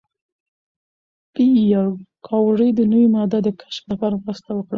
پېیر کوري د نوې ماده د کشف لپاره مرسته وکړه.